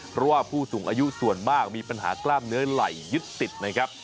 เพราะว่าผู้สูงอายุส่วนมากมีปัญหากล้ามเนื้อไหลยึดติดนะครับ